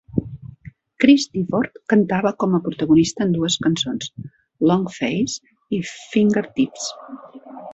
Chris Difford cantava com a protagonista en dues cançons, "Long Face" i "Fingertips".